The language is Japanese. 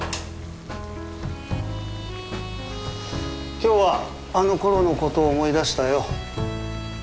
今日はあのころのことを思い出したよ。